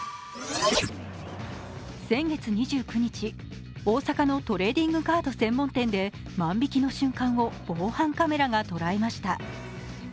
先月２９日、大阪のトレーディングカード専門店で万引きの瞬間を防犯カメラがとらえました。